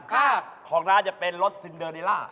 ของจะเป็นรสซินเดอร์เนลล่า